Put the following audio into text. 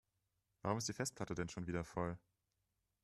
Warum ist die Festplatte denn schon wieder voll?